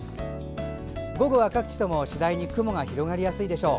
午後は各地とも次第に雲が広がりやすいでしょう。